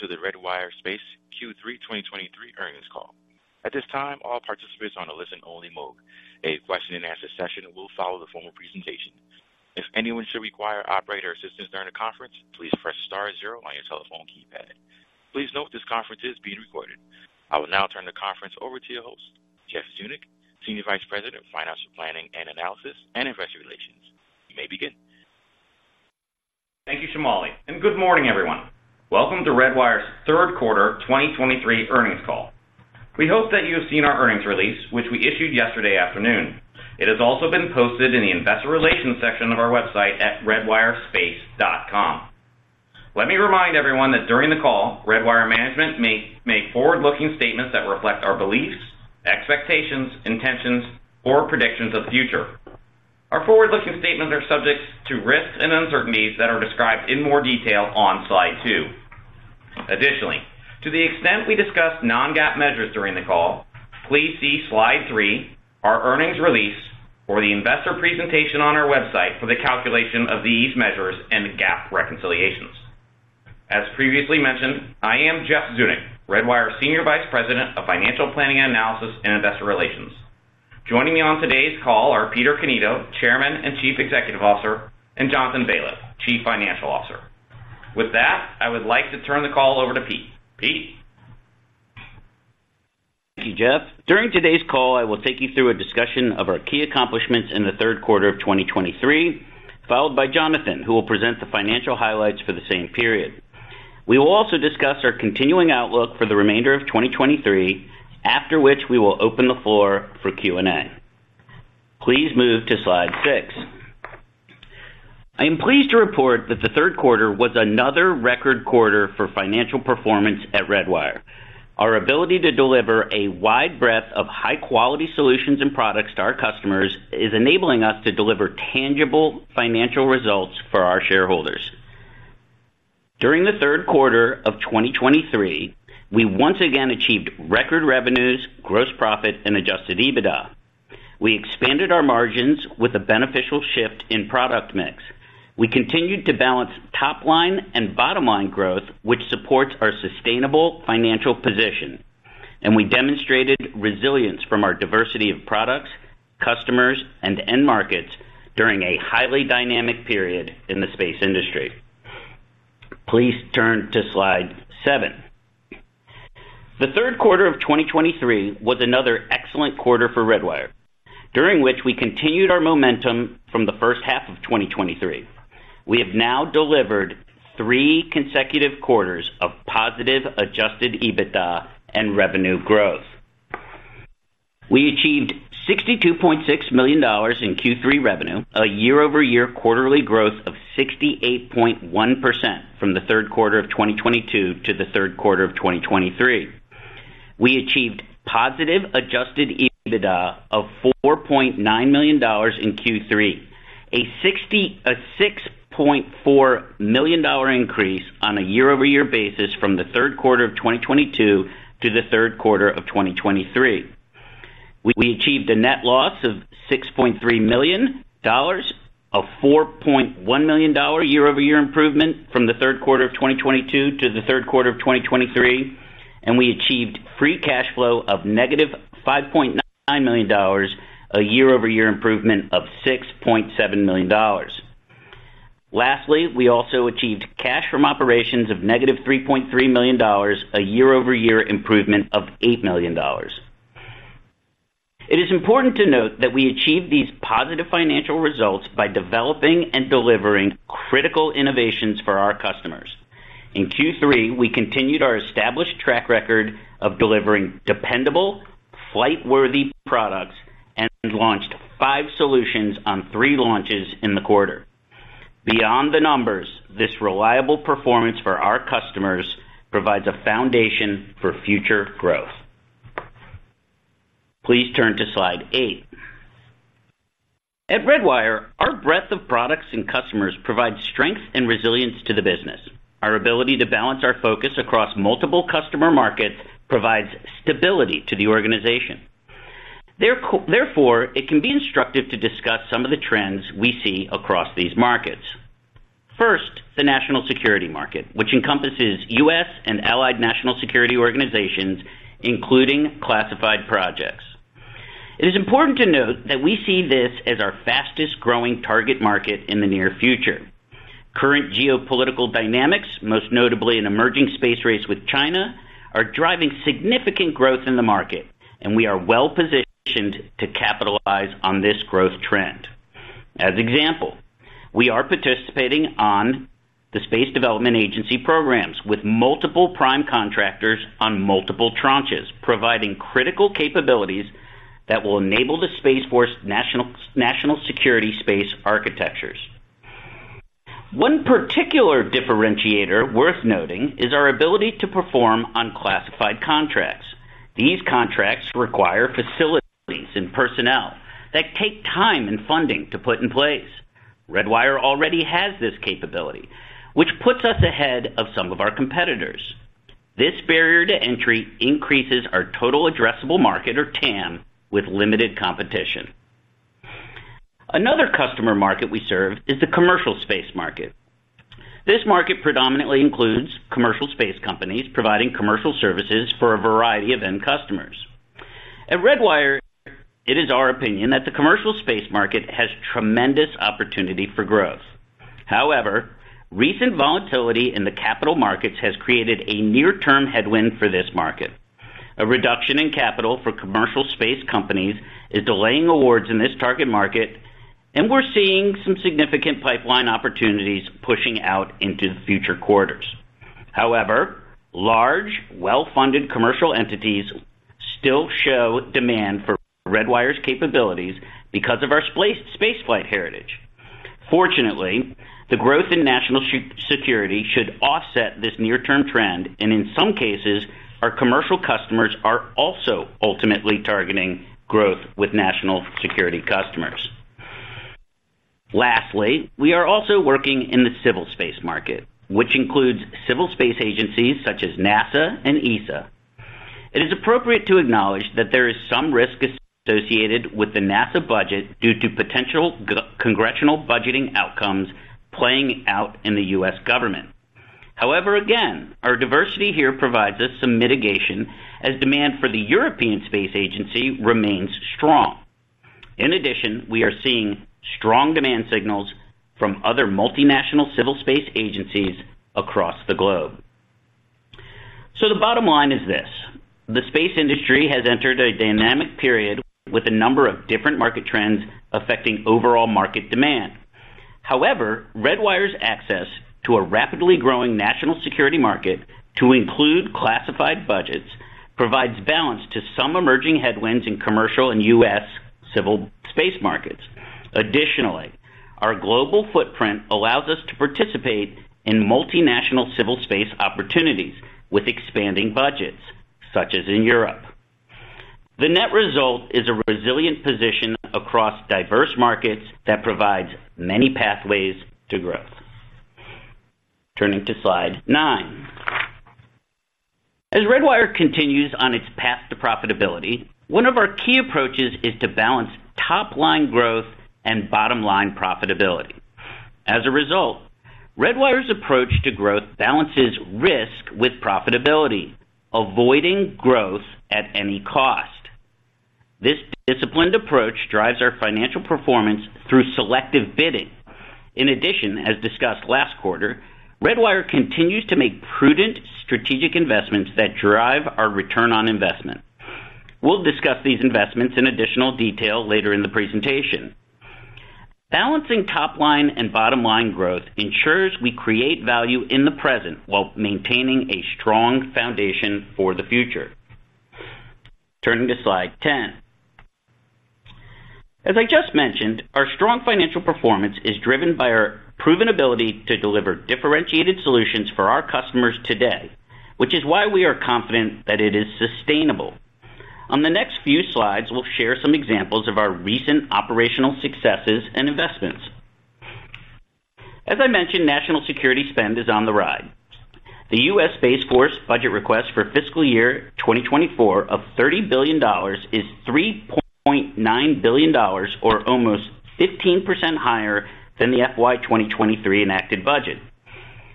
Greetings. Welcome to the Redwire Space Q3 2023 Earnings Call. At this time, all participants are on a listen-only mode. A question-and-answer session will follow the formal presentation. If anyone should require operator assistance during the conference, please press star zero on your telephone keypad. Please note this conference is being recorded. I will now turn the conference over to your host, Jeff Zeunik, Senior Vice President of Financial Planning and Analysis and Investor Relations. You may begin. Thank you, Shamali, and good morning, everyone. Welcome to Redwire's Q3 2023 earnings call. We hope that you have seen our earnings release, which we issued yesterday afternoon. It has also been posted in the Investor Relations section of our website at redwirespace.com. Let me remind everyone that during the call, Redwire management may make forward-looking statements that reflect our beliefs, expectations, intentions, or predictions of the future. Our forward-looking statements are subject to risks and uncertainties that are described in more detail on slide two. Additionally, to the extent we discuss non-GAAP measures during the call, please see slide three, our earnings release or the investor presentation on our website for the calculation of these measures and GAAP reconciliations. As previously mentioned, I am Jeff Zeunik, Redwire Senior Vice President of Financial Planning and Analysis and Investor Relations. Joining me on today's call are Peter Cannito, Chairman and Chief Executive Officer, and Jonathan Baliff, Chief Financial Officer. With that, I would like to turn the call over to Pete. Pete? Thank you, Jeff. During today's call, I will take you through a discussion of our key accomplishments in the Q3 of 2023, followed by Jonathan, who will present the financial highlights for the same period. We will also discuss our continuing outlook for the remainder of 2023, after which we will open the floor for Q&A. Please move to slide six. I am pleased to report that the Q3 was another record quarter for financial performance at Redwire. Our ability to deliver a wide breadth of high-quality solutions and products to our customers is enabling us to deliver tangible financial results for our shareholders. During the Q3 of 2023, we once again achieved record revenues, gross profit and Adjusted EBITDA. We expanded our margins with a beneficial shift in product mix. We continued to balance top-line and bottom-line growth, which supports our sustainable financial position, and we demonstrated resilience from our diversity of products, customers, and end markets during a highly dynamic period in the space industry. Please turn to slide seven. The Q3 of 2023 was another excellent quarter for Redwire, during which we continued our momentum from the first half of 2023. We have now delivered three consecutive quarters of positive adjusted EBITDA and revenue growth. We achieved $62.6 million in Q3 revenue, a year-over-year quarterly growth of 68.1% from the Q3 of 2022 to the Q3 of 2023. We achieved positive adjusted EBITDA of $4.9 million in Q3, a 6.4 million dollar increase on a year-over-year basis from the Q3 of 2022 to the Q3 of 2023. We achieved a net loss of $6.3 million, a $4.1 million year-over-year improvement from the Q3 of 2022 to the Q3 of 2023, and we achieved free cash flow of -$5.9 million, a year-over-year improvement of $6.7 million. Lastly, we also achieved cash from operations of -$3.3 million, a year-over-year improvement of $8 million. It is important to note that we achieved these positive financial results by developing and delivering critical innovations for our customers. In Q3, we continued our established track record of delivering dependable, flight-worthy products and launched five solutions on three launches in the quarter. Beyond the numbers, this reliable performance for our customers provides a foundation for future growth. Please turn to slide eight. At Redwire, our breadth of products and customers provides strength and resilience to the business. Our ability to balance our focus across multiple customer markets provides stability to the organization. Therefore, it can be instructive to discuss some of the trends we see across these markets. First, the national security market, which encompasses U.S. and allied national security organizations, including classified projects. It is important to note that we see this as our fastest-growing target market in the near future. Current geopolitical dynamics, most notably an emerging space race with China, are driving significant growth in the market, and we are well-positioned to capitalize on this growth trend. As an example, we are participating on the Space Development Agency programs with multiple prime contractors on multiple tranches, providing critical capabilities that will enable the Space Force National Security Space architectures. One particular differentiator worth noting is our ability to perform unclassified contracts. These contracts require facilities and personnel that take time and funding to put in place. Redwire already has this capability, which puts us ahead of some of our competitors. This barrier to entry increases our total addressable market, or TAM, with limited competition.... Another customer market we serve is the commercial space market. This market predominantly includes commercial space companies providing commercial services for a variety of end customers. At Redwire, it is our opinion that the commercial space market has tremendous opportunity for growth. However, recent volatility in the capital markets has created a near-term headwind for this market. A reduction in capital for commercial space companies is delaying awards in this target market, and we're seeing some significant pipeline opportunities pushing out into the future quarters. However, large, well-funded commercial entities still show demand for Redwire's capabilities because of our space, spaceflight heritage. Fortunately, the growth in national security should offset this near-term trend, and in some cases, our commercial customers are also ultimately targeting growth with national security customers. Lastly, we are also working in the civil space market, which includes civil space agencies such as NASA and ESA. It is appropriate to acknowledge that there is some risk associated with the NASA budget due to potential congressional budgeting outcomes playing out in the U.S. government. However, again, our diversity here provides us some mitigation as demand for the European Space Agency remains strong. In addition, we are seeing strong demand signals from other multinational civil space agencies across the globe. So the bottom line is this: the space industry has entered a dynamic period with a number of different market trends affecting overall market demand. However, Redwire's access to a rapidly growing national security market, to include classified budgets, provides balance to some emerging headwinds in commercial and U.S. civil space markets. Additionally, our global footprint allows us to participate in multinational civil space opportunities with expanding budgets, such as in Europe. The net result is a resilient position across diverse markets that provides many pathways to growth. Turning to slide nine. As Redwire continues on its path to profitability, one of our key approaches is to balance top-line growth and bottom-line profitability. As a result, Redwire's approach to growth balances risk with profitability, avoiding growth at any cost. This disciplined approach drives our financial performance through selective bidding. In addition, as discussed last quarter, Redwire continues to make prudent, strategic investments that drive our return on investment. We'll discuss these investments in additional detail later in the presentation. Balancing top-line and bottom-line growth ensures we create value in the present while maintaining a strong foundation for the future. Turning to slide 10. As I just mentioned, our strong financial performance is driven by our proven ability to deliver differentiated solutions for our customers today, which is why we are confident that it is sustainable. On the next few slides, we'll share some examples of our recent operational successes and investments. As I mentioned, national security spend is on the rise. The U.S. Space Force budget request for fiscal year 2024 of $30 billion is $3.9 billion, or almost 15% higher than the FY 2023 enacted budget.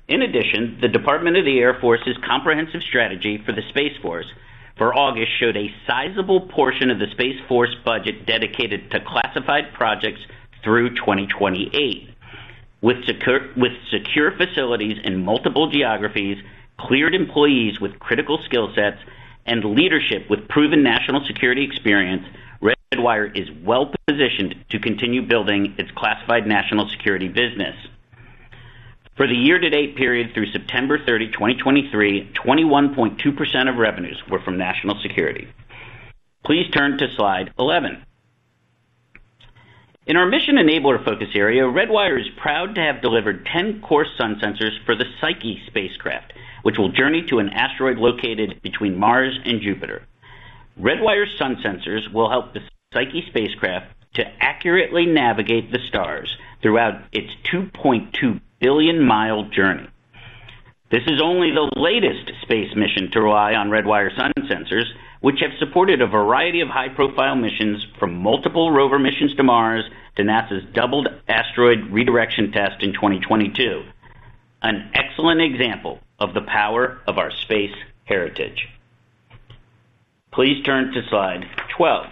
In addition, the Department of the Air Force's comprehensive strategy for the Space Force for August showed a sizable portion of the Space Force budget dedicated to classified projects through 2028. With secure facilities in multiple geographies, cleared employees with critical skill sets, and leadership with proven national security experience, Redwire is well positioned to continue building its classified national security business. For the year-to-date period through September 30, 2023, 21.2% of revenues were from national security. Please turn to slide 11. In our mission enabler focus area, Redwire is proud to have delivered 10 coarse sun sensors for the Psyche spacecraft, which will journey to an asteroid located between Mars and Jupiter. Redwire sun sensors will help the Psyche spacecraft to accurately navigate the stars throughout its 2.2 billion-mile journey. This is only the latest space mission to rely on Redwire sun sensors, which have supported a variety of high-profile missions, from multiple rover missions to Mars to NASA's Double Asteroid Redirection Test in 2022. An excellent example of the power of our space heritage. Please turn to slide 12.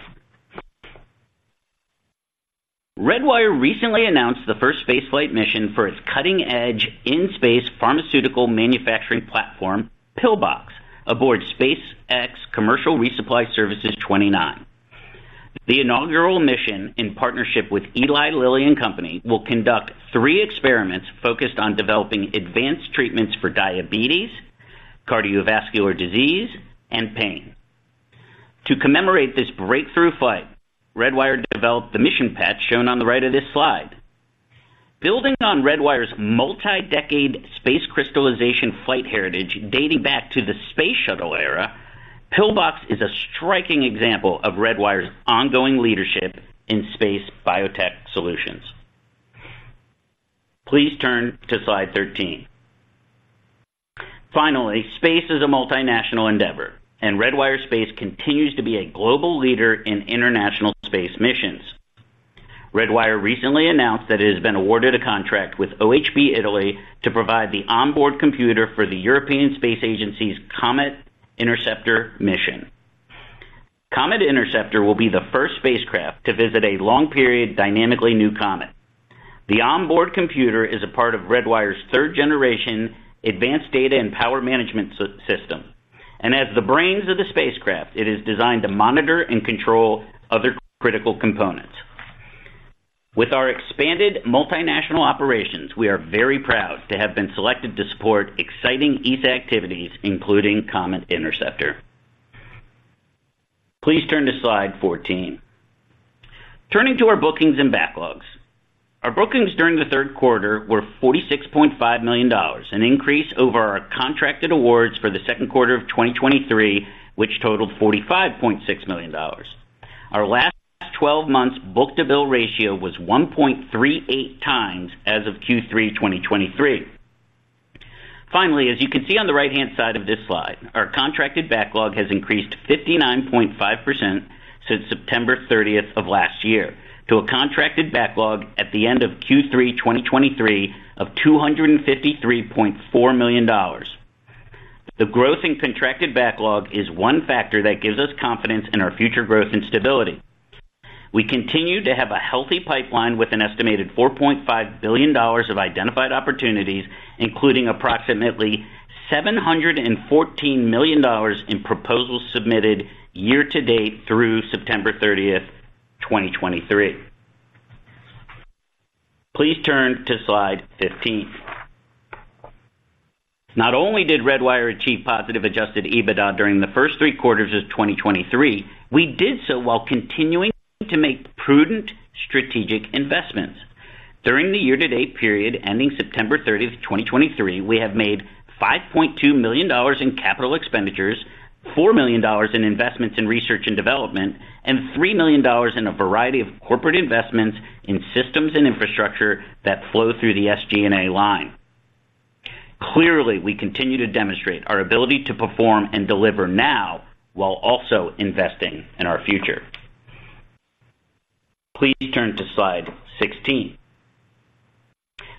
Redwire recently announced the first space flight mission for its cutting-edge in-space pharmaceutical manufacturing platform, PIL-BOX, aboard SpaceX Commercial Resupply Services 29. The inaugural mission, in partnership with Eli Lilly and Company, will conduct three experiments focused on developing advanced treatments for diabetes, cardiovascular disease, and pain. To commemorate this breakthrough flight, Redwire developed the mission patch shown on the right of this slide. Building on Redwire's multi-decade space crystallization flight heritage, dating back to the space shuttle era, PIL-BOX is a striking example of Redwire's ongoing leadership in space biotech solutions. Please turn to slide 13. Finally, space is a multinational endeavor, and Redwire Space continues to be a global leader in international space missions. Redwire recently announced that it has been awarded a contract with OHB Italy to provide the onboard computer for the European Space Agency's Comet Interceptor mission. Comet Interceptor will be the first spacecraft to visit a long-period, dynamically new comet. The onboard computer is a part of Redwire's third-generation advanced data and power management system, and as the brains of the spacecraft, it is designed to monitor and control other critical components. With our expanded multinational operations, we are very proud to have been selected to support exciting ESA activities, including Comet Interceptor. Please turn to slide fourteen. Turning to our bookings and backlogs. Our bookings during the Q3 were $46.5 million, an increase over our contracted awards for the Q2 of 2023, which totaled $45.6 million. Our last 12 months Book-to-Bill Ratio was 1.38 times as of Q3 2023. Finally, as you can see on the right-hand side of this slide, our contracted backlog has increased 59.5% since September 30 of last year to a contracted backlog at the end of Q3 2023 of $253.4 million. The growth in contracted backlog is one factor that gives us confidence in our future growth and stability. We continue to have a healthy pipeline with an estimated $4.5 billion of identified opportunities, including approximately $714 million in proposals submitted year to date through September 30, 2023. Please turn to slide 15. Not only did Redwire achieve positive Adjusted EBITDA during the first three quarters of 2023, we did so while continuing to make prudent strategic investments. During the year-to-date period ending September 30, 2023, we have made $5.2 million in capital expenditures, $4 million in investments in research and development, and $3 million in a variety of corporate investments in systems and infrastructure that flow through the SG&A line. Clearly, we continue to demonstrate our ability to perform and deliver now while also investing in our future. Please turn to slide 16.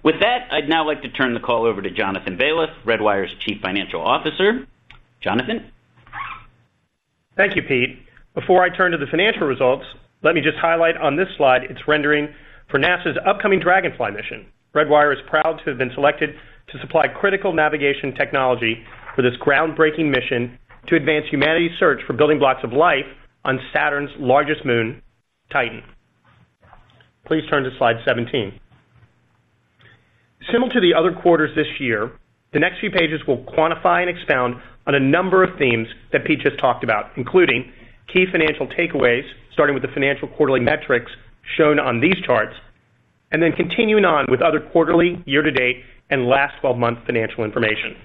With that, I'd now like to turn the call over to Jonathan Baliff, Redwire's Chief Financial Officer. Jonathan? Thank you, Pete. Before I turn to the financial results, let me just highlight on this slide, it's regarding NASA's upcoming Dragonfly mission. Redwire is proud to have been selected to supply critical navigation technology for this groundbreaking mission to advance humanity's search for building blocks of life on Saturn's largest moon, Titan. Please turn to slide 17. Similar to the other quarters this year, the next few pages will quantify and expound on a number of themes that Pete just talked about, including key financial takeaways, starting with the financial quarterly metrics shown on these charts, and then continuing on with other quarterly, year-to-date, and last twelve-month financial information.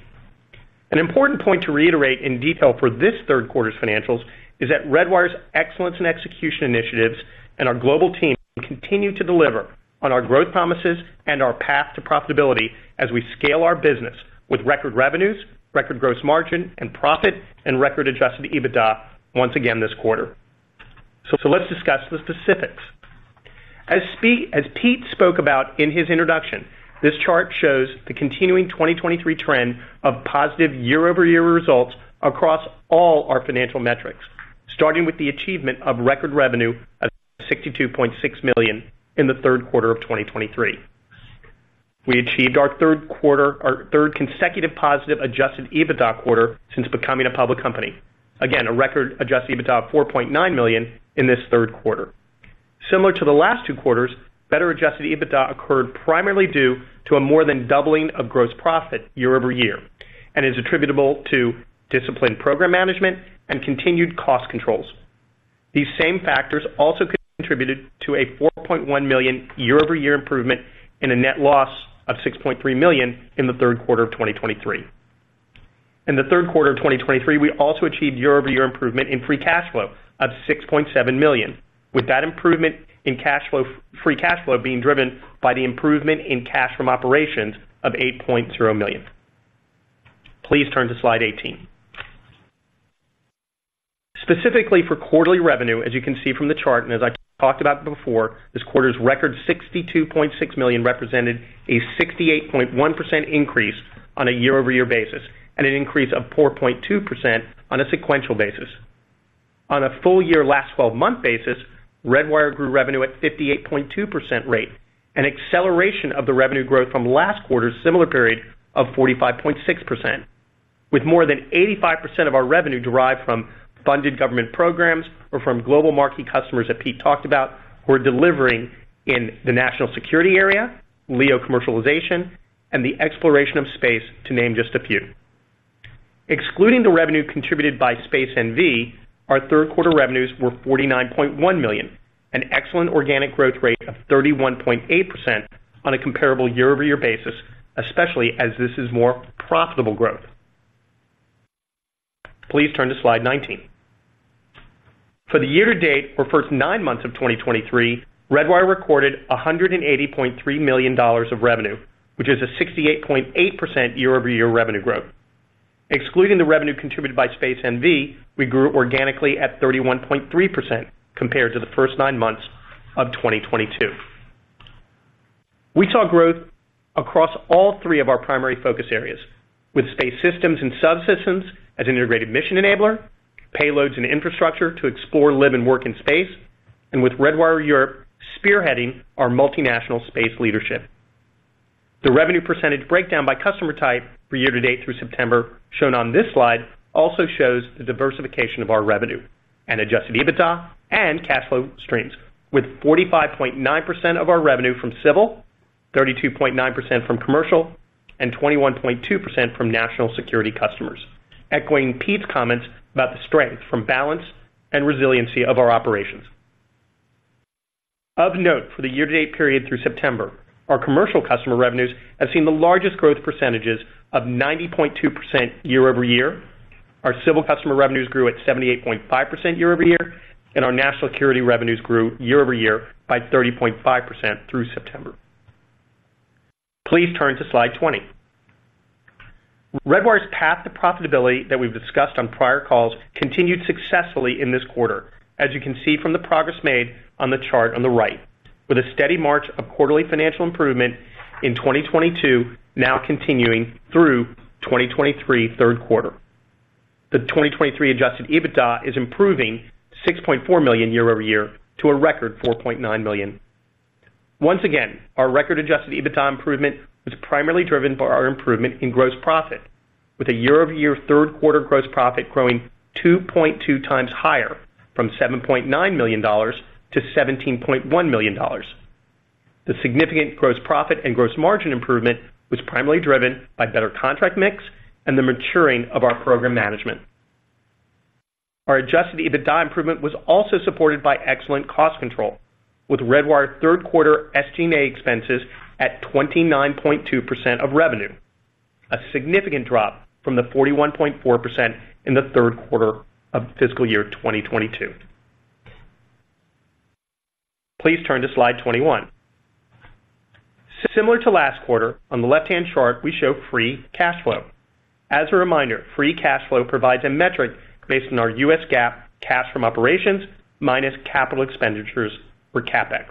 An important point to reiterate in detail for this Q3's financials is that Redwire's excellence in execution initiatives and our global team continue to deliver on our growth promises and our path to profitability as we scale our business with record revenues, record gross margin and profit, and record adjusted EBITDA once again this quarter. So let's discuss the specifics. As Pete spoke about in his introduction, this chart shows the continuing 2023 trend of positive year-over-year results across all our financial metrics, starting with the achievement of record revenue of $62.6 million in theQ3 of 2023. We achieve our Q3, our third consecutive positive adjusted EBITDA quarter since becoming a public company. Again, a record adjusted EBITDA of $4.9 million in this Q3. Similar to the last two quarters, better Adjusted EBITDA occurred primarily due to a more than doubling of gross profit year-over-year and is attributable to disciplined program management and continued cost controls. These same factors also contributed to a $4.1 million year-over-year improvement in a net loss of $6.3 million in the Q3 of 2023. In the Q3 of 2023, we also achieved year-over-year improvement in Free Cash Flow of $6.7 million, with that improvement in cash flow, Free Cash Flow being driven by the improvement in cash from operations of $8.0 million. Please turn to slide 18. Specifically for quarterly revenue, as you can see from the chart, and as I talked about before, this quarter's record, $62.6 million, represented a 68.1% increase on a year-over-year basis and an increase of 4.2% on a sequential basis. On a full year, last twelve-month basis, Redwire grew revenue at 58.2% rate, an acceleration of the revenue growth from last quarter's similar period of 45.6%, with more than 85% of our revenue derived from funded government programs or from global marquee customers that Pete talked about, who are delivering in the national security area, LEO commercialization, and the exploration of space, to name just a few. Excluding the revenue contributed by Space NV, our Q3 revenues were $49.1 million, an excellent organic growth rate of 31.8% on a comparable year-over-year basis, especially as this is more profitable growth. Please turn to slide 19. For the year-to-date, for first nine months of 2023, Redwire recorded $180.3 million of revenue, which is a 68.8% year-over-year revenue growth. Excluding the revenue contributed by Space NV, we grew organically at 31.3% compared to the first nine months of 2022. We saw growth across all three of our primary focus areas, with space systems and subsystems as integrated mission enabler, payloads and infrastructure to explore, live, and work in space, and with Redwire Europe spearheading our multinational space leadership. The revenue percentage breakdown by customer type for year-to-date through September, shown on this slide, also shows the diversification of our revenue and Adjusted EBITDA and cash flow streams, with 45.9% of our revenue from civil, 32.9% from commercial, and 21.2% from national security customers, echoing Pete's comments about the strength from balance and resiliency of our operations. Of note, for the year-to-date period through September, our commercial customer revenues have seen the largest growth percentages of 90.2% year-over-year. Our civil customer revenues grew at 78.5% year-over-year, and our national security revenues grew year-over-year by 30.5% through September. Please turn to slide 20. Redwire's path to profitability that we've discussed on prior calls continued successfully in this quarter, as you can see from the progress made on the chart on the right, with a steady march of quarterly financial improvement in 2022, now continuing through 2023 Q3. The 2023 Adjusted EBITDA is improving $6.4 million year-over-year to a record $4.9 million. Once again, our record Adjusted EBITDA improvement was primarily driven by our improvement in gross profit, with a year-over-year Q3 gross profit growing 2.2x higher from $7.9 million to $17.1 million. The significant gross profit and gross margin improvement was primarily driven by better contract mix and the maturing of our program management. Our adjusted EBITDA improvement was also supported by excellent cost control, with Redwire third Q3 SG&A expenses at 29.2% of revenue, a significant drop from the 41.4% in the Q3 of fiscal year 2022. Please turn to slide 21. Similar to last quarter, on the left-hand chart, we show free cash flow. As a reminder, free cash flow provides a metric based on our U.S. GAAP cash from operations minus capital expenditures or CapEx.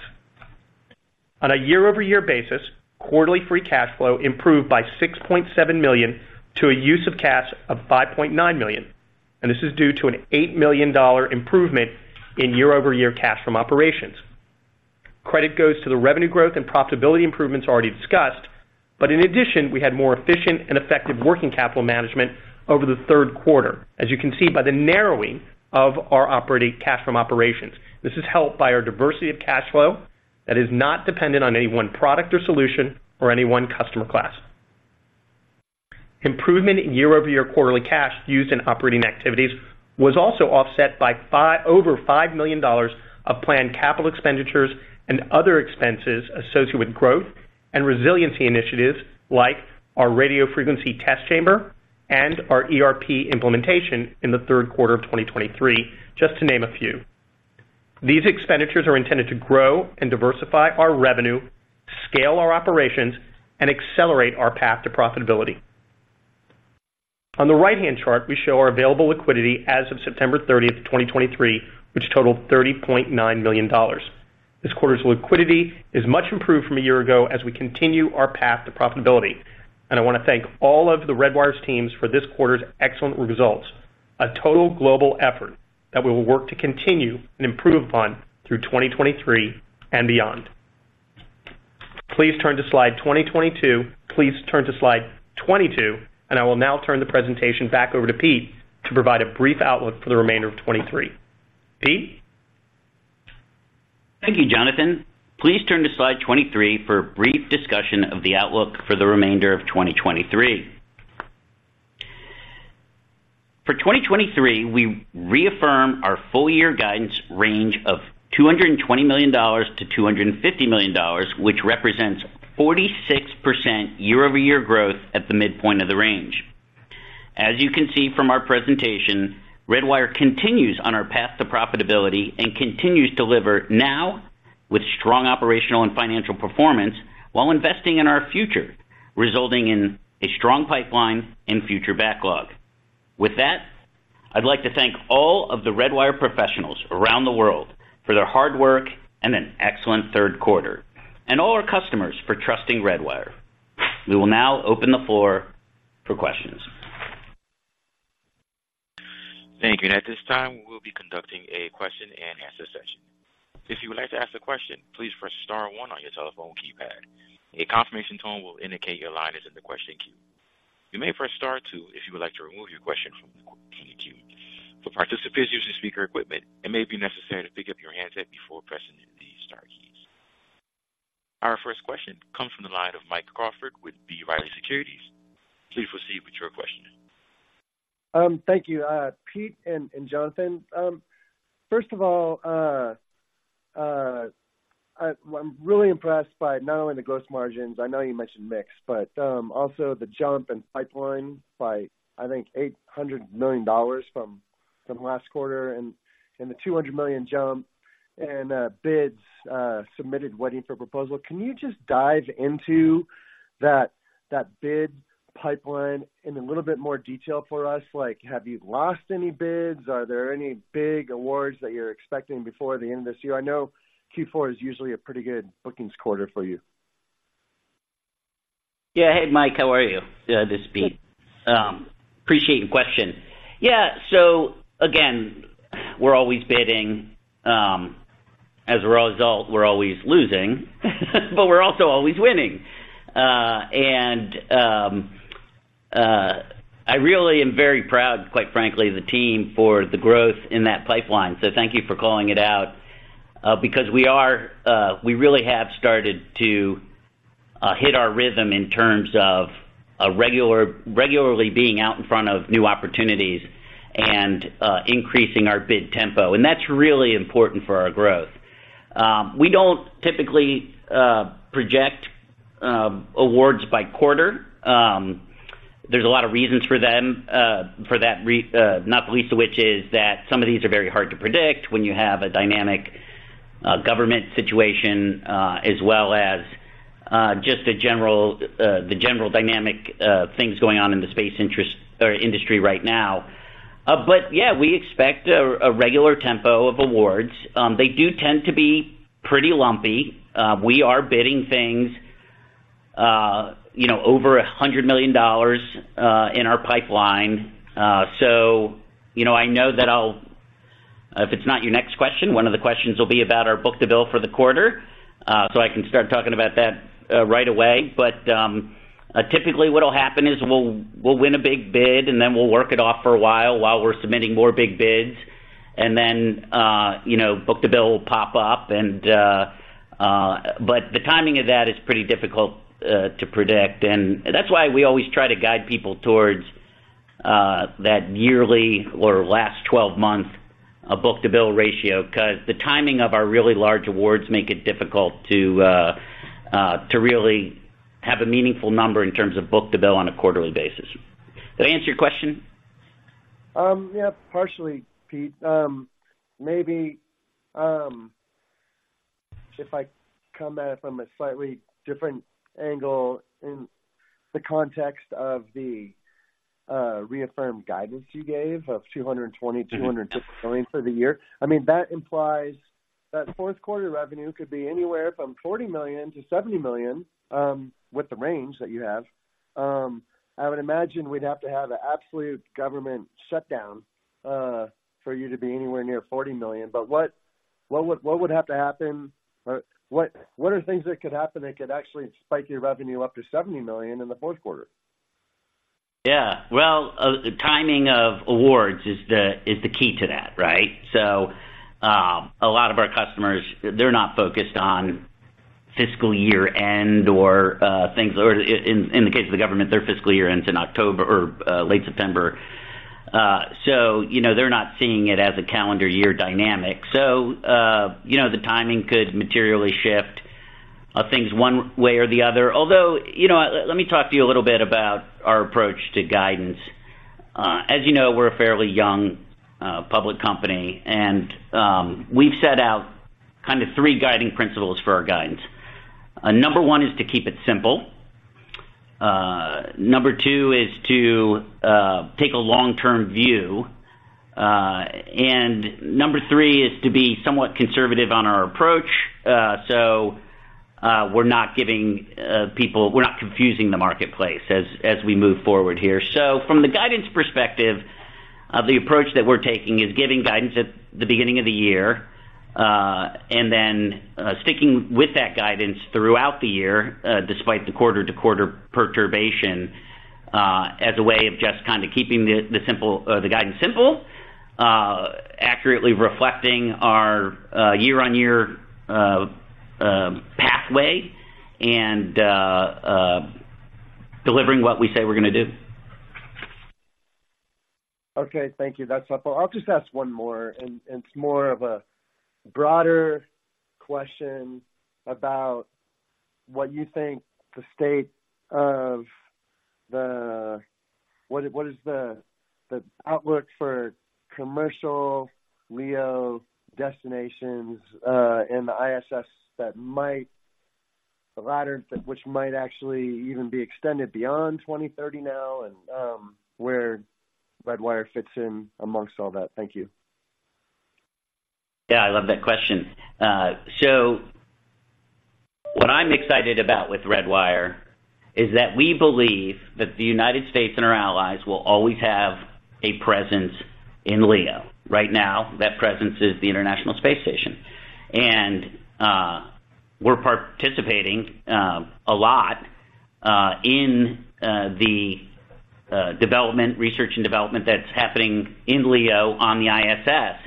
On a year-over-year basis, quarterly free cash flow improved by $6.7 million to a use of cash of $5.9 million, and this is due to an $8 million improvement in year-over-year cash from operations. Credit goes to the revenue growth and profitability improvements already discussed, but in addition, we had more efficient and effective working capital management over the Q3, as you can see by the narrowing of our operating cash from operations. This is helped by our diversity of cash flow that is not dependent on any one product or solution or any one customer class. Improvement in year-over-year quarterly cash used in operating activities was also offset by over $5 million of planned capital expenditures and other expenses associated with growth and resiliency initiatives like our radio frequency test chamber and our ERP implementation in the Q3 of 2023, just to name a few. These expenditures are intended to grow and diversify our revenue, scale our operations, and accelerate our path to profitability. On the right-hand chart, we show our available liquidity as of September 30, 2023, which totaled $30.9 million. This quarter's liquidity is much improved from a year ago as we continue our path to profitability. I want to thank all of the Redwire's teams for this quarter's excellent results, a total global effort that we will work to continue and improve upon through 2023 and beyond. Please turn to slide 22. Please turn to slide 22, and I will now turn the presentation back over to Pete to provide a brief outlook for the remainder of 2023. Pete? Thank you, Jonathan. Please turn to slide 23 for a brief discussion of the outlook for the remainder of 2023. For 2023, we reaffirm our full year guidance range of $220 million-$250 million, which represents 46% year-over-year growth at the midpoint of the range. As you can see from our presentation, Redwire continues on our path to profitability and continues to deliver now with strong operational and financial performance while investing in our future, resulting in a strong pipeline and future backlog. With that, I'd like to thank all of the Redwire professionals around the world for their hard work and an excellent Q3, and all our customers for trusting Redwire. We will now open the floor for questions. Thank you. At this time, we'll be conducting a question-and-answer session. If you would like to ask a question, please press star one on your telephone keypad. A confirmation tone will indicate your line is in the question queue. You may press star two if you would like to remove your question from the queue. For participants using speaker equipment, it may be necessary to pick up your handset before pressing the star keys. Our first question comes from the line of Mike Crawford with B. Riley Securities. Please proceed with your question. Thank you, Pete and Jonathan. First of all, well, I'm really impressed by not only the gross margins, I know you mentioned mix, but also the jump in pipeline by, I think, $800 million from last quarter, and the $200 million jump in bids submitted waiting for proposal. Can you just dive into that bid pipeline in a little bit more detail for us? Like, have you lost any bids? Are there any big awards that you're expecting before the end of this year? I know Q4 is usually a pretty good bookings quarter for you. Yeah. Hey, Mike, how are you? This is Pete. Appreciate your question. Yeah. So again, we're always bidding. As a result, we're always losing, but we're also always winning. And I really am very proud, quite frankly, of the team for the growth in that pipeline. So thank you for calling it out, because we are—we really have started to hit our rhythm in terms of regularly being out in front of new opportunities and increasing our bid tempo, and that's really important for our growth. We don't typically project awards by quarter. There's a lot of reasons for them, for that, not the least of which is that some of these are very hard to predict when you have a dynamic government situation, as well as just the general, the general dynamic things going on in the space interest or industry right now. But yeah, we expect a regular tempo of awards. They do tend to be pretty lumpy. We are bidding things, you know, over $100 million in our pipeline. So, you know, I know that I'll, if it's not your next question, one of the questions will be about our book-to-bill for the quarter. So I can start talking about that right away. But typically what will happen is we'll win a big bid, and then we'll work it off for a while, while we're submitting more big bids, and then, you know, book-to-bill will pop up, and but the timing of that is pretty difficult to predict. And that's why we always try to guide people towards that yearly or last twelve-month book-to-bill ratio. Because the timing of our really large awards make it difficult to really have a meaningful number in terms of book-to-bill on a quarterly basis. Did I answer your question? Yeah, partially, Pete. Maybe, if I come at it from a slightly different angle in the context of the reaffirmed guidance you gave of $220-$250 million for the year. I mean, that implies that fourth quarter revenue could be anywhere from $40 million-$70 million, with the range that you have. I would imagine we'd have to have an absolute government shutdown, for you to be anywhere near $40 million. But what would have to happen or what are things that could happen that could actually spike your revenue up to $70 million in the fourth quarter? Yeah. Well, the timing of awards is the key to that, right? So, a lot of our customers, they're not focused on fiscal year-end or, in the case of the government, their fiscal year ends in October or late September. So, you know, they're not seeing it as a calendar year dynamic. So, you know, the timing could materially shift things one way or the other. Although, you know, let me talk to you a little bit about our approach to guidance. As you know, we're a fairly young public company, and we've set out kind of three guiding principles for our guidance. Number one is to keep it simple. Number two is to take a long-term view. And number three is to be somewhat conservative on our approach, so we're not confusing the marketplace as we move forward here. So from the guidance perspective, the approach that we're taking is giving guidance at the beginning of the year, and then sticking with that guidance throughout the year, despite the quarter-to-quarter perturbation, as a way of just kind of keeping the guidance simple, accurately reflecting our year-on-year pathway and delivering what we say we're going to do. Okay. Thank you. That's helpful. I'll just ask one more, and it's more of a broader question about what you think the state of the-- what is the outlook for commercial LEO destinations, and the ISS that might -- the latter, which might actually even be extended beyond 2030 now, and where Redwire fits in amongst all that. Thank you? Yeah, I love that question. So what I'm excited about with Redwire is that we believe that the United States and our allies will always have a presence in LEO. Right now, that presence is the International Space Station. And, we're participating a lot in the development, research and development that's happening in LEO on the ISS.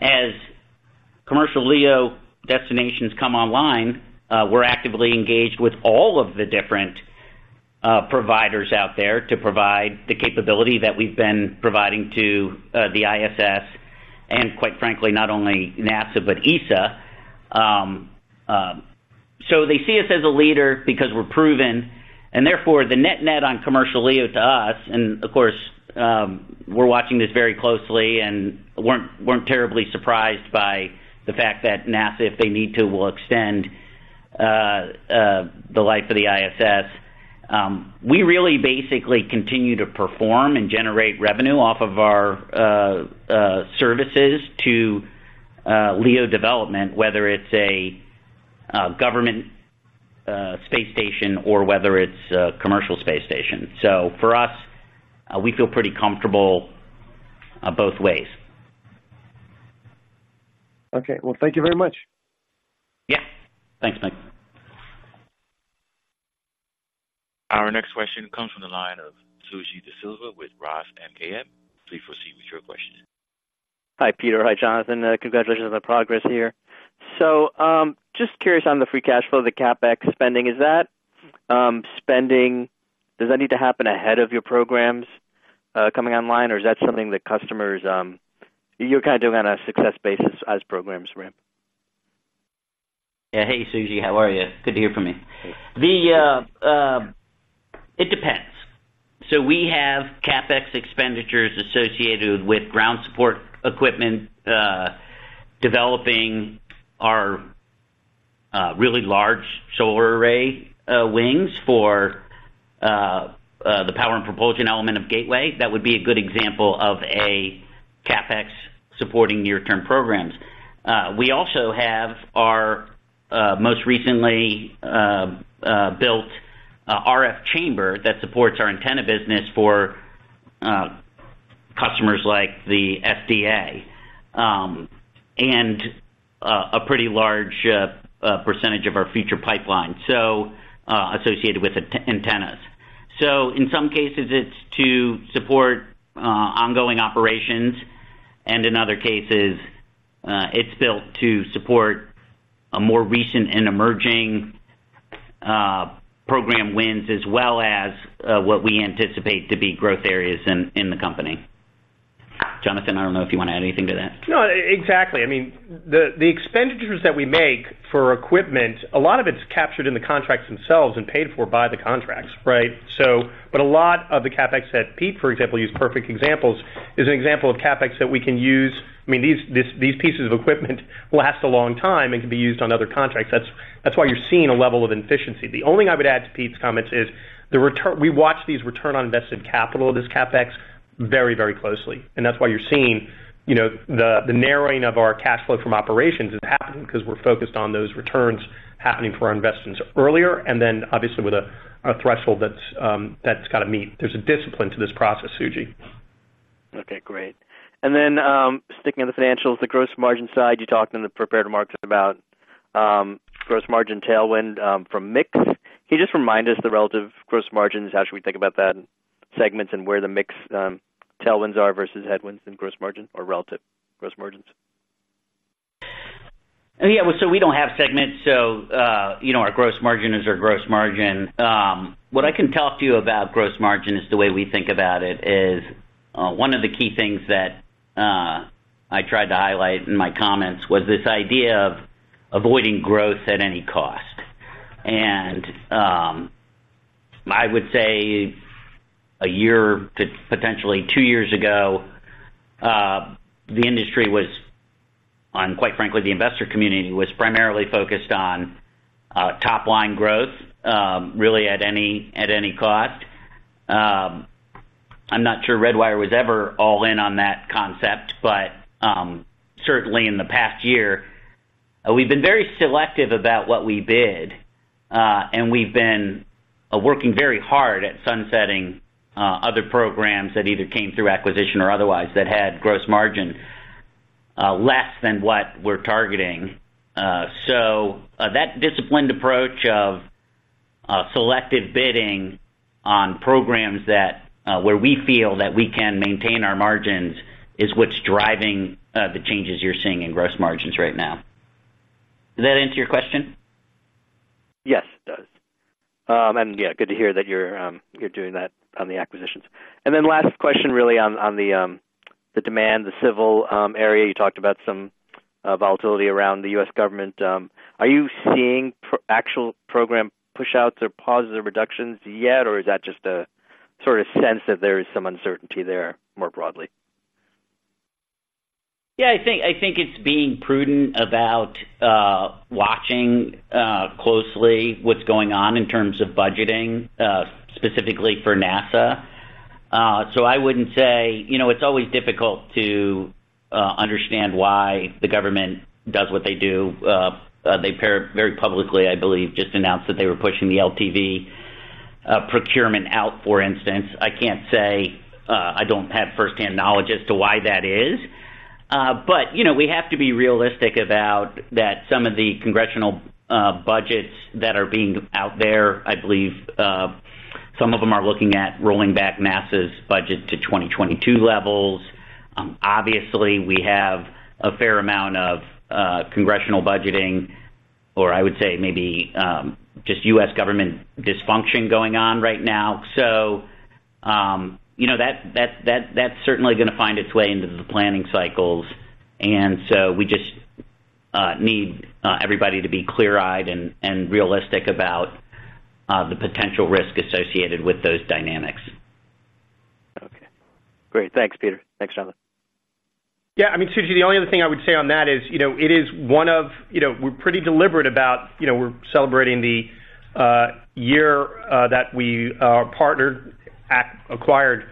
As commercial LEO destinations come online, we're actively engaged with all of the different providers out there to provide the capability that we've been providing to the ISS, and quite frankly, not only NASA, but ESA. So they see us as a leader because we're proven, and therefore, the net-net on commercial LEO to us, and of course, we're watching this very closely and weren't terribly surprised by the fact that NASA, if they need to, will extend the life of the ISS. We really basically continue to perform and generate revenue off of our services to LEO development, whether it's a government space station or whether it's a commercial space station. So for us, we feel pretty comfortable both ways. Okay, well, thank you very much. Yeah. Thanks, Mike. Our next question comes from the line of Suji Desilva with Roth MKM. Please proceed with your question. Hi, Peter. Hi, Jonathan. Congratulations on the progress here. So, just curious on the free cash flow, the CapEx spending, is that spending, does that need to happen ahead of your programs coming online? Or is that something that customers, you're kind of doing on a success basis as programs ramp? Yeah. Hey, Suji, how are you? Good to hear from you. The, it depends. So we have CapEx expenditures associated with ground support equipment, developing our really large solar array wings for the power and propulsion element of Gateway. That would be a good example of a CapEx supporting near-term programs. We also have our most recently built RF chamber that supports our antenna business for customers like the FDA, and a pretty large percentage of our future pipeline, so associated with antennas. So in some cases, it's to support ongoing operations, and in other cases, it's built to support a more recent and emerging program wins, as well as what we anticipate to be growth areas in the company. Jonathan, I don't know if you want to add anything to that. No, exactly. I mean, the expenditures that we make for equipment, a lot of it's captured in the contracts themselves and paid for by the contracts, right? So, but a lot of the CapEx that Pete, for example, used perfect examples, is an example of CapEx that we can use. I mean, these pieces of equipment last a long time and can be used on other contracts. That's why you're seeing a level of efficiency. The only thing I would add to Pete's comments is the return, we watch these return on invested capital, this CapEx, very, very closely, and that's why you're seeing, you know, the narrowing of our cash flow from operations is happening because we're focused on those returns happening for our investments earlier, and then obviously with a threshold that's, that's kind of meet. There's a discipline to this process, Suji. Okay, great. Then, sticking on the financials, the gross margin side, you talked in the prepared remarks about gross margin tailwind from mix. Can you just remind us the relative gross margins? How should we think about that segments and where the mix tailwinds are versus headwinds and gross margin or relative gross margins? Yeah, so we don't have segments, so, you know, our gross margin is our gross margin. What I can talk to you about gross margin is the way we think about it is, one of the key things that, I tried to highlight in my comments was this idea of avoiding growth at any cost. And, I would say a year, potentially two years ago, the industry was on, quite frankly, the investor community, was primarily focused on, top-line growth, really at any, at any cost. I'm not sure Redwire was ever all in on that concept, but certainly in the past year, we've been very selective about what we bid, and we've been working very hard at sunsetting other programs that either came through acquisition or otherwise, that had gross margin less than what we're targeting. So, that disciplined approach of selective bidding on programs that where we feel that we can maintain our margins is what's driving the changes you're seeing in gross margins right now. Does that answer your question? Yes, it does. And yeah, good to hear that you're doing that on the acquisitions. And then last question, really on the demand, the civil area, you talked about some volatility around the U.S. government. Are you seeing actual program pushouts or positive reductions yet, or is that just a sort of sense that there is some uncertainty there more broadly? Yeah, I think, I think it's being prudent about watching closely what's going on in terms of budgeting, specifically for NASA. So I wouldn't say, you know, it's always difficult to understand why the government does what they do. They very publicly, I believe, just announced that they were pushing the LTV procurement out, for instance. I can't say, I don't have firsthand knowledge as to why that is. But, you know, we have to be realistic about that some of the congressional budgets that are being out there, I believe, some of them are looking at rolling back NASA's budget to 2022 levels. Obviously, we have a fair amount of congressional budgeting, or I would say maybe just U.S. government dysfunction going on right now. So, you know, that's certainly going to find its way into the planning cycles, and so we just need everybody to be clear-eyed and realistic about the potential risk associated with those dynamics. Okay. Great. Thanks, Peter. Thanks, Jonathan. Yeah, I mean, Suji, the only other thing I would say on that is, you know, it is one of, you know, we're pretty deliberate about, you know, we're celebrating the year that we partnered at, acquired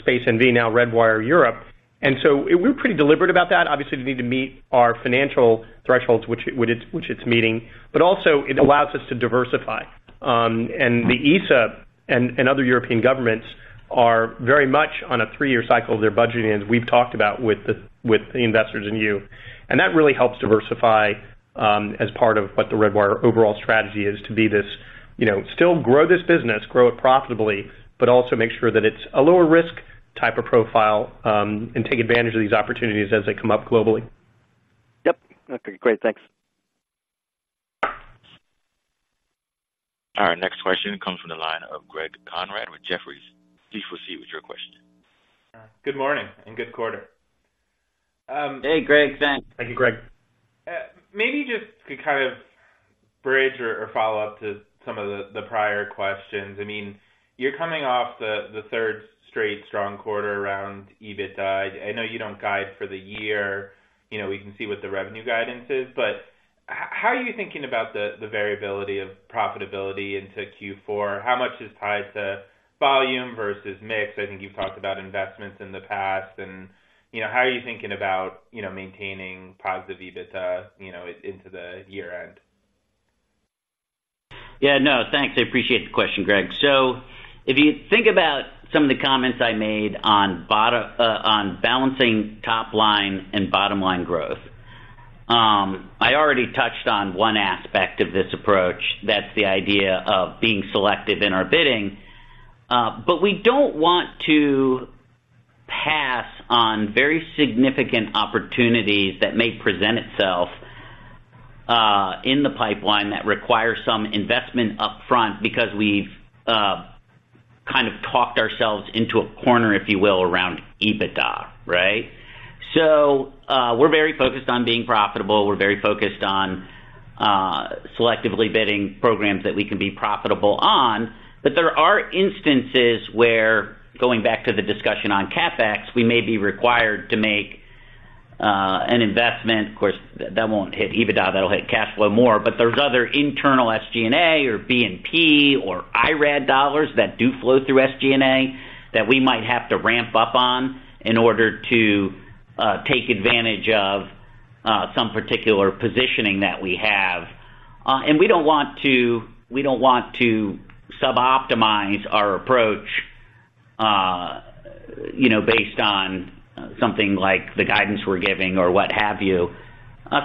Space NV, now Redwire Europe. And so we're pretty deliberate about that. Obviously, we need to meet our financial thresholds, which it, which it's meeting, but also it allows us to diversify. And the ESA and other European governments are very much on a three-year cycle of their budgeting, as we've talked about with the investors and you. That really helps diversify, as part of what the Redwire overall strategy is, to be this, you know, still grow this business, grow it profitably, but also make sure that it's a lower risk type of profile, and take advantage of these opportunities as they come up globally. Yep. Okay, great. Thanks. Our next question comes from the line of Greg Konrad with Jefferies. Please proceed with your question. Good morning, and good quarter. Hey, Greg. Thanks. Thank you, Greg. Maybe just to kind of bridge or follow up to some of the prior questions. I mean, you're coming off the third straight strong quarter around EBITDA. I know you don't guide for the year. You know, we can see what the revenue guidance is, but how are you thinking about the variability of profitability into Q4? How much is tied to volume versus mix? I think you've talked about investments in the past and, you know, how are you thinking about maintaining positive EBITDA into the year-end? Yeah, no, thanks. I appreciate the question, Greg. So if you think about some of the comments I made on bottom on balancing top line and bottom line growth, I already touched on one aspect of this approach. That's the idea of being selective in our bidding. But we don't want to pass on very significant opportunities that may present itself, in the pipeline that require some investment upfront because we've, kind of talked ourselves into a corner, if you will, around EBITDA, right? So, we're very focused on being profitable. We're very focused on, selectively bidding programs that we can be profitable on. But there are instances where, going back to the discussion on CapEx, we may be required to make, an investment. Of course, that won't hit EBITDA, that'll hit cash flow more, but there's other internal SG&A or B&P or IRAD dollars that do flow through SG&A, that we might have to ramp up on in order to take advantage of some particular positioning that we have. And we don't want to, we don't want to suboptimize our approach, you know, based on something like the guidance we're giving or what have you.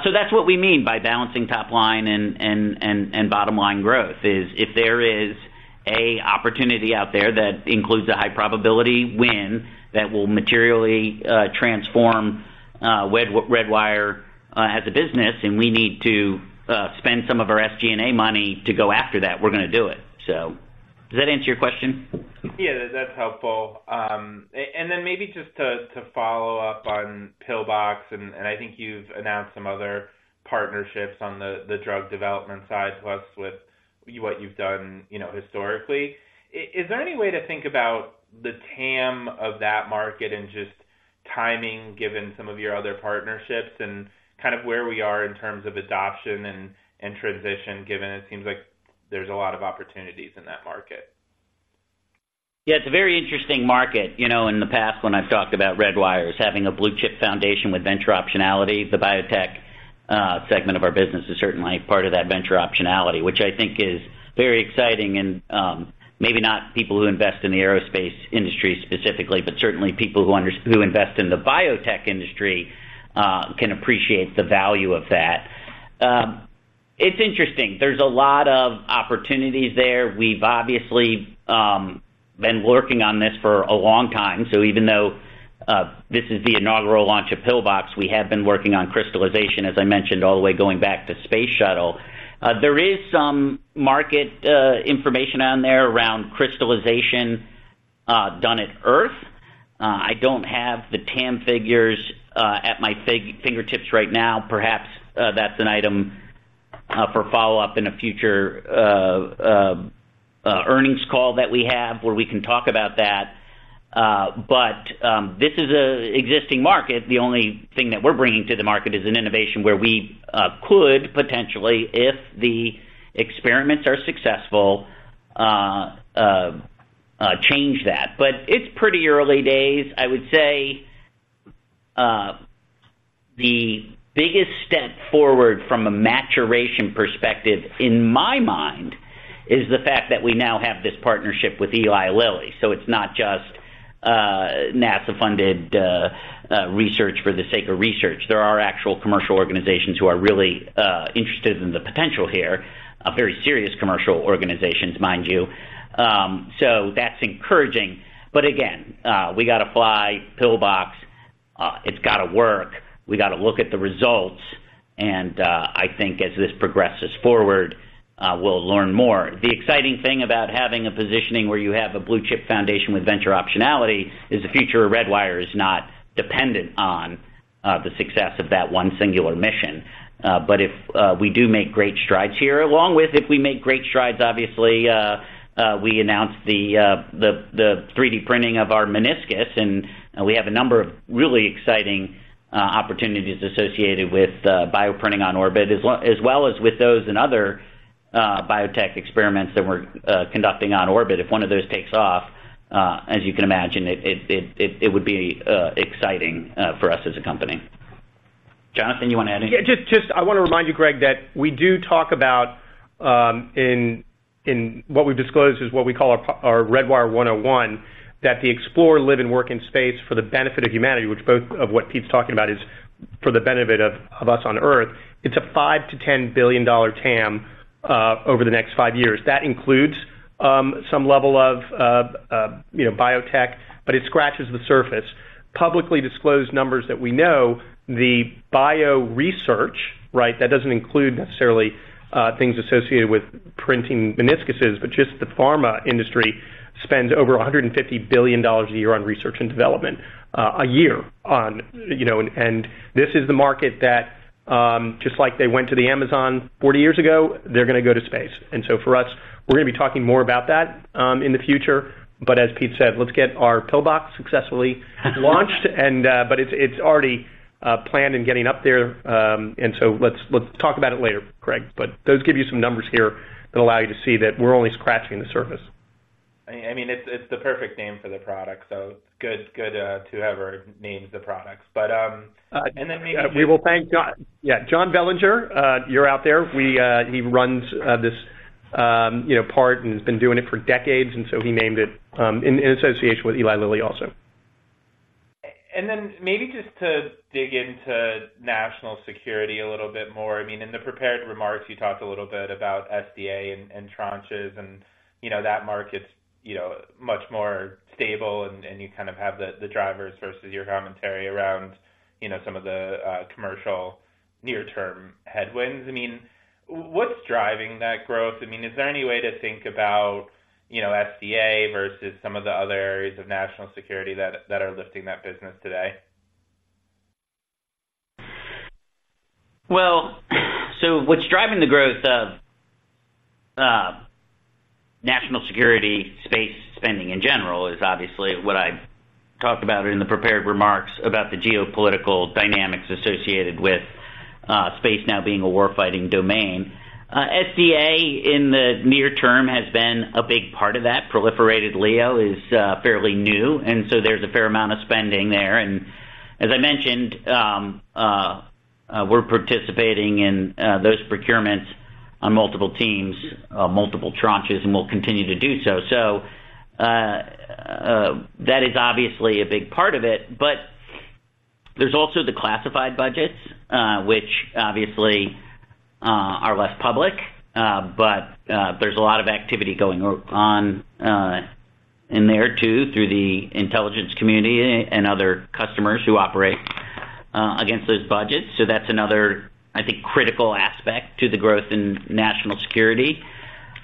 So that's what we mean by balancing top line and bottom line growth, is if there is an opportunity out there that includes a high probability win that will materially transform Redwire as a business, and we need to spend some of our SG&A money to go after that, we're going to do it. So does that answer your question? Yeah, that's helpful. And then maybe just to follow up on PillBox, and I think you've announced some other partnerships on the drug development side, plus with what you've done, you know, historically. Is there any way to think about the TAM of that market and just timing, given some of your other partnerships and kind of where we are in terms of adoption and transition, given it seems like there's a lot of opportunities in that market? Yeah, it's a very interesting market. You know, in the past, when I've talked about Redwire as having a blue chip foundation with venture optionality, the biotech segment of our business is certainly part of that venture optionality, which I think is very exciting and, maybe not people who invest in the aerospace industry specifically, but certainly people who invest in the biotech industry can appreciate the value of that. It's interesting. There's a lot of opportunities there. We've obviously been working on this for a long time, so even though this is the inaugural launch of PillBox, we have been working on crystallization, as I mentioned, all the way going back to space shuttle. There is some market information on there around crystallization done at Earth. I don't have the TAM figures at my fingertips right now. Perhaps that's an item for follow-up in a future earnings call that we have, where we can talk about that. But this is an existing market. The only thing that we're bringing to the market is an innovation where we could potentially, if the experiments are successful, change that. But it's pretty early days. I would say the biggest step forward from a maturation perspective, in my mind, is the fact that we now have this partnership with Eli Lilly, so it's not just NASA-funded research for the sake of research. There are actual commercial organizations who are really interested in the potential here, very serious commercial organizations, mind you. So that's encouraging. But again, we got to fly PillBox. It's got to work. We got to look at the results, and I think as this progresses forward, we'll learn more. The exciting thing about having a positioning where you have a blue-chip foundation with venture optionality is the future of Redwire is not dependent on the success of that one singular mission. But if we do make great strides here, along with if we make great strides, obviously, we announced the 3D printing of our meniscus, and we have a number of really exciting opportunities associated with bioprinting on orbit, as well as with those and other biotech experiments that we're conducting on orbit. If one of those takes off, as you can imagine, it would be exciting for us as a company. Jonathan, you want to add anything? Yeah, just, just I want to remind you, Greg, that we do talk about in what we've disclosed is what we call our Redwire 101, that the explore, live, and work in space for the benefit of humanity, which both of what Pete's talking about is for the benefit of us on Earth. It's a $5 billion-$10 billion TAM over the next five years. That includes some level of you know, biotech, but it scratches the surface. Publicly disclosed numbers that we know, the bio research, right? That doesn't include necessarily, things associated with printing meniscuses, but just the pharma industry spends over $150 billion a year on research and development, a year on, you know, and this is the market that, just like they went to the Amazon 40 years ago, they're going to go to space. And so for us, we're going to be talking more about that, in the future. But as Pete said, let's get our PillBox successfully launched. And, but it's, it's already, planned and getting up there, and so let's, let's talk about it later, Greg. But those give you some numbers here that allow you to see that we're only scratching the surface. I mean, it's the perfect name for the product, so good, good, whoever named the products. But, and then maybe- We will thank John. Yeah, John Vellinger, you're out there. He runs this, you know, part, and has been doing it for decades, and so he named it in association with Eli Lilly, also. And then maybe just to dig into national security a little bit more. I mean, in the prepared remarks, you talked a little bit about SDA and, and tranches and, you know, that market's, you know, much more stable, and, and you kind of have the, the drivers versus your commentary around, you know, some of the, commercial near-term headwinds. I mean, what's driving that growth? I mean, is there any way to think about, you know, SDA versus some of the other areas of national security that, that are lifting that business today? Well, so what's driving the growth of national security space spending in general is obviously what I talked about in the prepared remarks about the geopolitical dynamics associated with space now being a war-fighting domain. SDA, in the near term, has been a big part of that. Proliferated LEO is fairly new, and so there's a fair amount of spending there. And as I mentioned, we're participating in those procurements on multiple teams, multiple tranches, and we'll continue to do so. So, that is obviously a big part of it, but there's also the classified budgets, which obviously are less public, but there's a lot of activity going on in there, too, through the intelligence community and other customers who operate against those budgets. So that's another, I think, critical aspect to the growth in national security.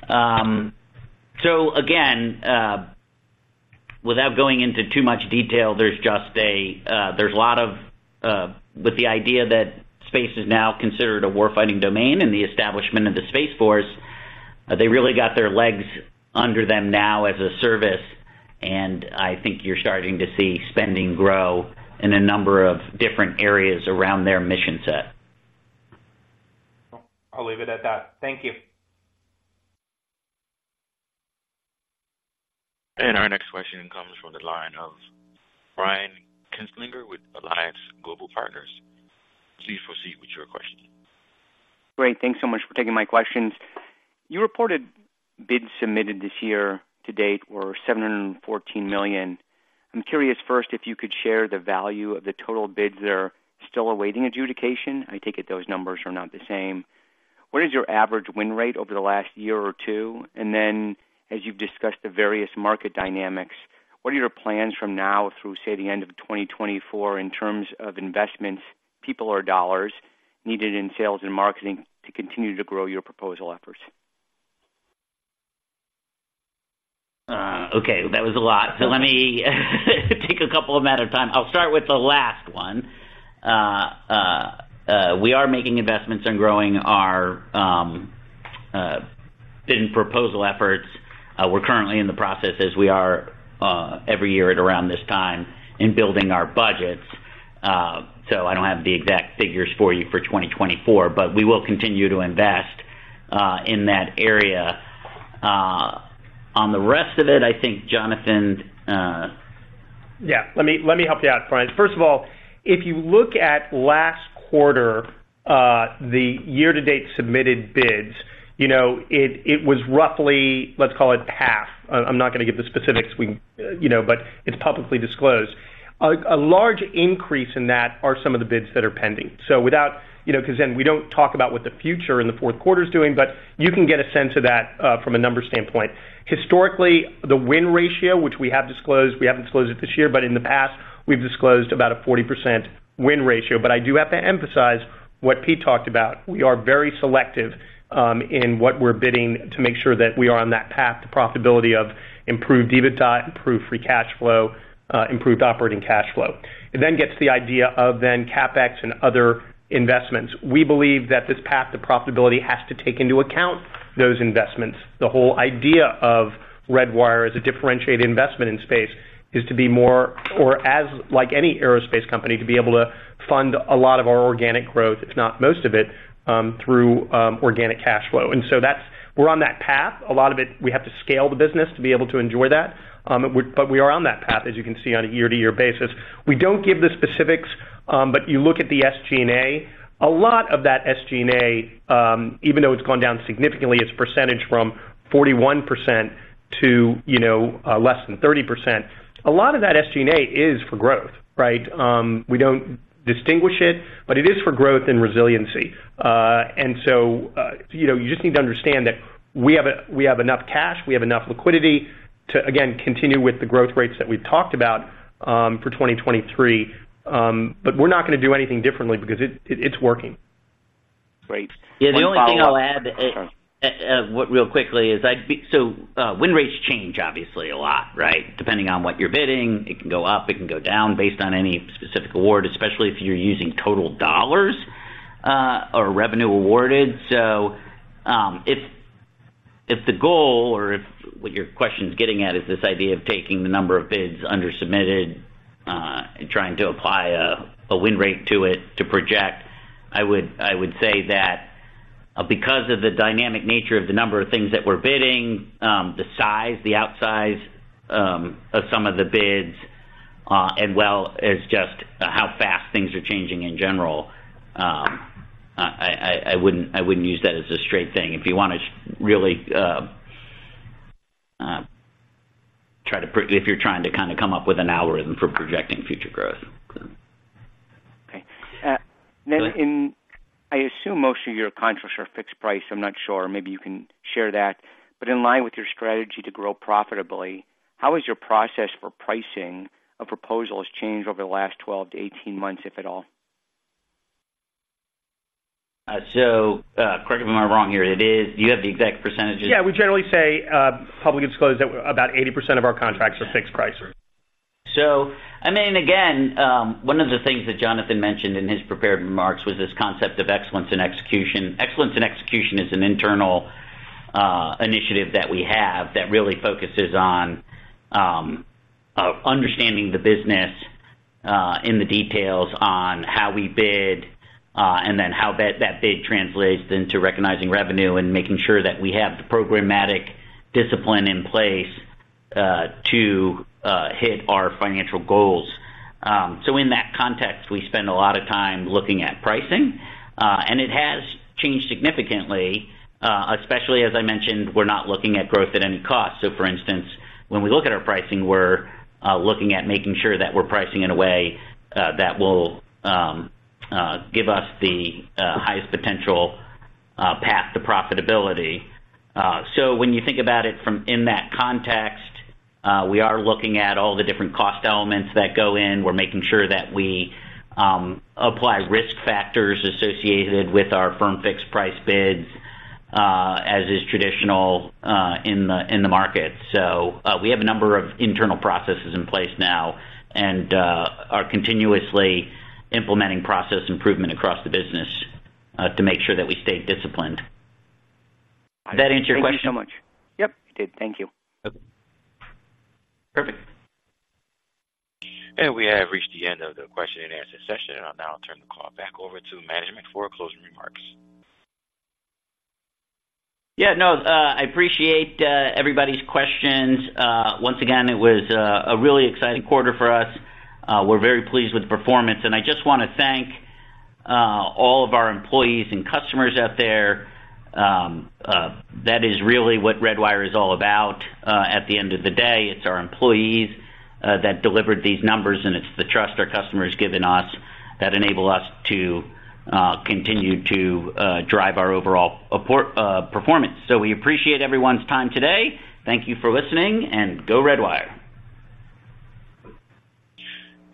So again, without going into too much detail, there's just a lot of with the idea that space is now considered a war-fighting domain and the establishment of the Space Force, they really got their legs under them now as a service, and I think you're starting to see spending grow in a number of different areas around their mission set. I'll leave it at that. Thank you. Our next question comes from the line of Brian Kinstlinger with Alliance Global Partners. Please proceed with your question. Great, thanks so much for taking my questions. You reported bids submitted this year to date were $714 million. I'm curious, first, if you could share the value of the total bids that are still awaiting adjudication. I take it those numbers are not the same. What is your average win rate over the last year or two? And then, as you've discussed the various market dynamics, what are your plans from now through, say, the end of 2024, in terms of investments, people or dollars, needed in sales and marketing to continue to grow your proposal efforts? Okay, that was a lot. So let me take a couple them at a time. I'll start with the last one. We are making investments in growing our bid and proposal efforts. We're currently in the process, as we are every year at around this time, in building our budgets. So I don't have the exact figures for you for 2024, but we will continue to invest in that area. On the rest of it, I think Jonathan, Yeah, let me, let me help you out, Brian. First of all, if you look at last quarter, the year-to-date submitted bids, you know, it was roughly, let's call it, half. I'm not going to give the specifics, we, you know, but it's publicly disclosed. A large increase in that are some of the bids that are pending. So without, you know, because then we don't talk about what the future and the fourth quarter is doing, but you can get a sense of that from a numbers standpoint. Historically, the win ratio, which we have disclosed, we haven't disclosed it this year, but in the past, we've disclosed about a 40% win ratio. But I do have to emphasize what Pete talked about. We are very selective. In what we're bidding to make sure that we are on that path to profitability of improved EBITDA, improved free cash flow, improved operating cash flow. It then gets to the idea of then CapEx and other investments. We believe that this path to profitability has to take into account those investments. The whole idea of Redwire as a differentiated investment in space is to be more, or as like any aerospace company, to be able to fund a lot of our organic growth, if not most of it, through organic cash flow. And so that's. We're on that path. A lot of it, we have to scale the business to be able to enjoy that, but we are on that path, as you can see, on a year-to-year basis. We don't give the specifics, but you look at the SG&A, a lot of that SG&A, even though it's gone down significantly, its percentage from 41% to, you know, less than 30%, a lot of that SG&A is for growth, right? We don't distinguish it, but it is for growth and resiliency. And so, you know, you just need to understand that we have we have enough cash, we have enough liquidity to, again, continue with the growth rates that we've talked about, for 2023. But we're not going to do anything differently because it, it, it's working. Great. Yeah, the only thing I'll add is, so, win rates change, obviously, a lot, right? Depending on what you're bidding, it can go up, it can go down based on any specific award, especially if you're using total dollars or revenue awarded. So, if the goal or what your question is getting at is this idea of taking the number of bids submitted and trying to apply a win rate to it to project, I would say that because of the dynamic nature of the number of things that we're bidding, the size, the outsized of some of the bids, and as well as just how fast things are changing in general, I wouldn't use that as a straight thing. If you want to really try to if you're trying to kind of come up with an algorithm for projecting future growth. Okay. Then in- Go ahead. I assume most of your contracts are fixed price. I'm not sure. Maybe you can share that. But in line with your strategy to grow profitably, how has your process for pricing of proposals changed over the last 12 to 18 months, if at all? So, correct me if I'm wrong here, it is. Do you have the exact percentages? Yeah, we generally say publicly disclose that about 80% of our contracts are fixed price. So, I mean, again, one of the things that Jonathan mentioned in his prepared remarks was this concept of excellence in execution. Excellence in execution is an internal initiative that we have that really focuses on understanding the business in the details on how we bid, and then how that, that bid translates into recognizing revenue and making sure that we have the programmatic discipline in place to hit our financial goals. So in that context, we spend a lot of time looking at pricing, and it has changed significantly, especially as I mentioned, we're not looking at growth at any cost. So for instance, when we look at our pricing, we're looking at making sure that we're pricing in a way that will give us the highest potential path to profitability. So when you think about it from in that context, we are looking at all the different cost elements that go in. We're making sure that we apply risk factors associated with our firm fixed price bids, as is traditional, in the market. So, we have a number of internal processes in place now and are continuously implementing process improvement across the business, to make sure that we stay disciplined. Does that answer your question? Thank you so much. Yep, it did. Thank you. Okay. Perfect. We have reached the end of the question and answer session, and I'll now turn the call back over to management for closing remarks. Yeah, no, I appreciate everybody's questions. Once again, it was a really exciting quarter for us. We're very pleased with the performance, and I just want to thank all of our employees and customers out there. That is really what Redwire is all about. At the end of the day, it's our employees that delivered these numbers, and it's the trust our customers have given us that enable us to continue to drive our overall support performance. So we appreciate everyone's time today. Thank you for listening, and go Redwire!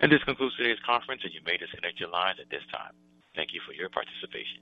This concludes today's conference, and you may disconnect your lines at this time. Thank you for your participation.